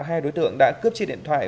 hai đối tượng đã cướp chiếc điện thoại